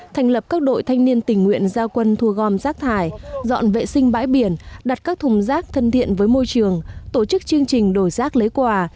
thành lập các đội thanh niên tình nguyện giao quân thu gom rác thải dọn vệ sinh bãi biển đặt các thùng rác thân thiện với môi trường tổ chức chương trình đổi rác lấy quà